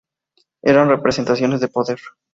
Eran representaciones de poder.